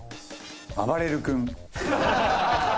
あばれる君。